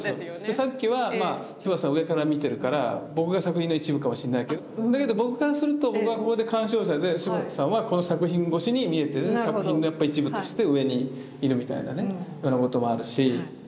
さっきは柴田さん上から見てるから僕が作品の一部かもしれないけどだけど僕からすると僕はここで鑑賞者で柴田さんはこの作品越しに見えてて作品の一部として上にいるみたいなねようなこともあるし。